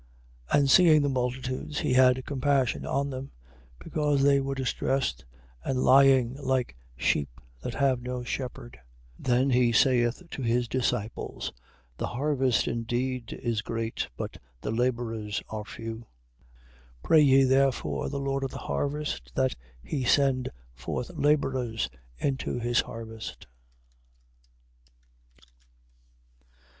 9:36. And seeing the multitudes, he had compassion on them: because they were distressed, and lying like sheep that have no shepherd. 9:37. Then he saith to his disciples, The harvest indeed is great, but the labourers are few. 9:38. Pray ye therefore the Lord of the harvest, that he send forth labourers into his harvest.